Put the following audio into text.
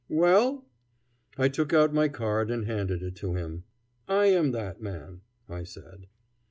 "Well?" I took out my card and handed it to him. "I am that man," I said.